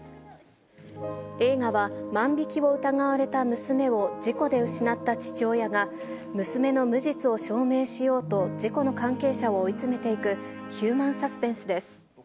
映画は、万引きを疑われた娘を事故で失った父親が、娘の無実を証明しようと、事故の関係者を追い詰めていくヒューマンサスペンスです。